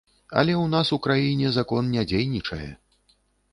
Але ў нас у краіне закон не дзейнічае.